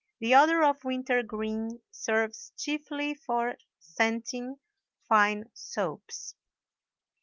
The odor of wintergreen serves chiefly for scenting fine soaps.